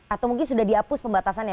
atau mungkin sudah dihapus pembatasannya